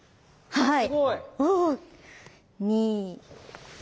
はい。